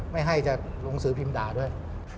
ไม่ให้จะหนังสือพิมพ์ด่าด้วย